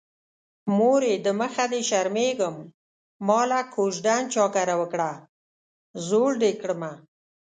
مورې د مخه دې شرمېږم ماله کوژدن چا کره وکړه زوړ دې کړمه